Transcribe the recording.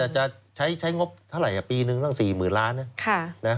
จะใช้งบเท่าไหร่ปีนึงตั้ง๔๐๐๐ล้าน